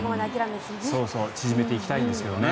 縮めていきたいですよね。